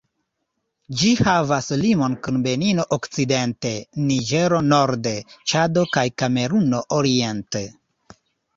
Ĝi havas limon kun Benino okcidente, Niĝero norde, Ĉado kaj Kameruno oriente.